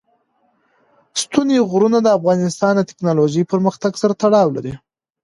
ستوني غرونه د افغانستان د تکنالوژۍ پرمختګ سره تړاو لري.